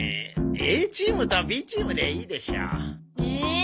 ＡチームとＢチームでいいでしょう。え？